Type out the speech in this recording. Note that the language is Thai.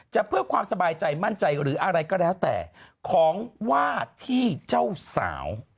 เพื่อความสบายใจมั่นใจหรืออะไรก็แล้วแต่ของว่าที่เจ้าสาว